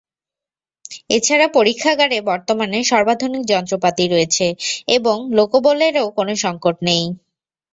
এ ছাড়া পরীক্ষাগারে বর্তমানে সর্বাধুনিক যন্ত্রপাতি রয়েছে এবং লোকবলেরও কোনো সংকট নেই।